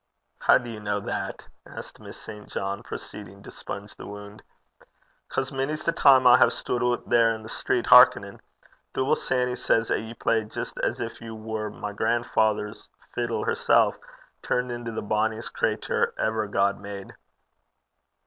'How do you know that?' asked Miss St. John, proceeding to sponge the wound. ''Cause mony's the time I hae stud oot there i' the street, hearkenin'. Dooble Sanny says 'at ye play jist as gin ye war my gran'father's fiddle hersel', turned into the bonniest cratur ever God made.'